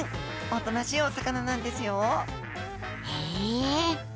おとなしいお魚なんですよ。へえ！